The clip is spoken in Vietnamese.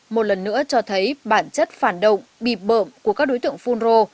một lần nữa cho thấy bản chất phản động bịp bợm của các đối tượng phun rô